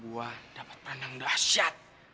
gue dapat perenang dasyat